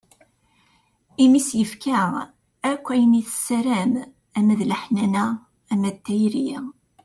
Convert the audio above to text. Imi i s-yefka akk ayen i tessaram ama d leḥnana, ama d tayri.